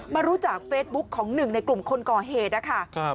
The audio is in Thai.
มาจากเฟซบุ๊คของหนึ่งในกลุ่มคนก่อเหตุนะคะ